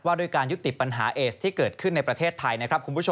ว่าโดยการยุติปัญหาเอสที่เกิดขึ้นในประเทศไทย